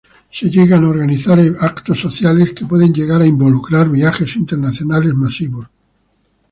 Se llegan a organizar eventos sociales que pueden llegar a involucrar viajes internacionales masivos.